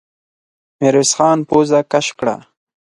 ميرويس خان پزه کش کړه.